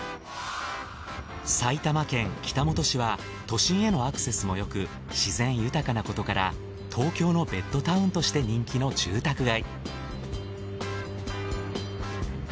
埼玉県北本市は都心へのアクセスもよく自然豊かなことから東京のベッドタウンとして人気の住宅街。